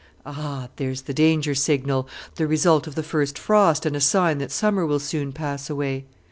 "Ah! there's the danger signal, the result of the first frost, and a sign that summer will soon pass away."